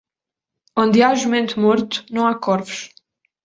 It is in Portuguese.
Onde há jumento morto, não há corvos.